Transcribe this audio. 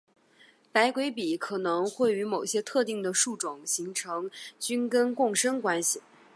白鬼笔可能会与某些特定的树种形成菌根共生关系。